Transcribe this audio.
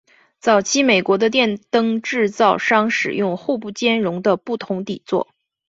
早期美国的电灯制造商使用互不兼容的不同底座。